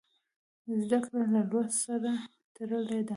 زده کړه له لوست سره تړلې ده.